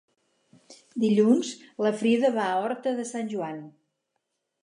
Dilluns na Frida va a Horta de Sant Joan.